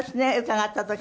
伺った時。